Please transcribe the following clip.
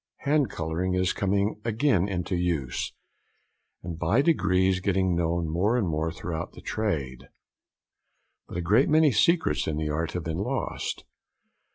Hand colouring is coming again into use, and by degrees getting known more and more throughout the trade; but a great many secrets in the art have been lost.